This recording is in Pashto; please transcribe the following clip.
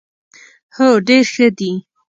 هو، ډیر ښه دي